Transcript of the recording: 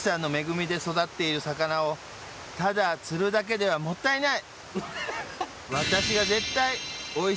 澆育っている魚を燭釣るだけではもったいない！